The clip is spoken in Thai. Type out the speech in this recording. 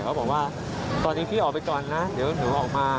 เขาบอกว่าตอนนี้พี่ออกไปก่อนนะเดี๋ยวหนูออกมา